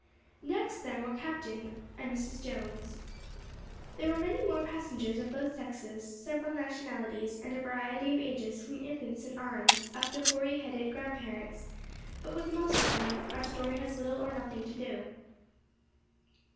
Next them were Captain and Mrs. Jones. There were many more passengers of both sexes, several nationalities, and a variety of ages from infants in arms, up to hoary headed grandparents, but with most of them our story has little or nothing to do.